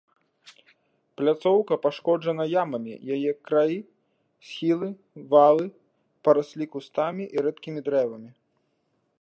Пляцоўка пашкоджана ямамі, яе краі, схілы, валы параслі кустамі і рэдкімі дрэвамі.